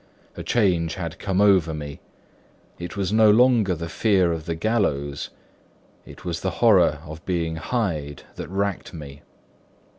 A change had come over me. It was no longer the fear of the gallows, it was the horror of being Hyde that racked me.